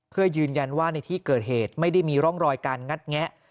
เพื่อยืนยันว่าในที่เกิดเหตุไม่ได้มีร่องรอยการงัดแงะ